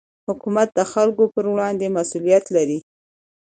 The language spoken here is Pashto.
حکومت د خلکو پر وړاندې مسوولیت لري